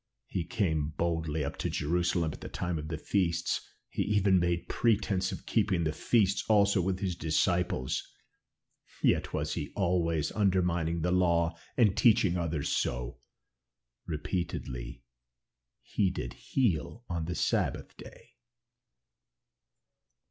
He came boldly up to Jerusalem at the time of feasts, he even made pretense of keeping the feasts also with his disciples, yet was he always undermining the law and teaching others so. Repeatedly did he heal on the Sabbath day."